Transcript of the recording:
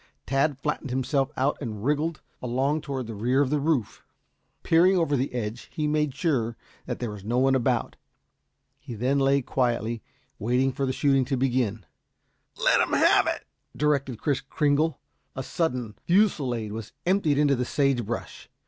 Tad flattened himself out and wriggled along toward the rear of the roof. Peering over the edge he made sure that there was no one about. He then lay quietly waiting for the shooting to begin. "Let 'em have it," directed Kris Kringle. A sudden fusillade was emptied into the sage brush.